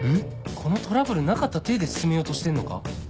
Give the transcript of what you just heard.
このトラブルなかった体で進めようとしてんのか？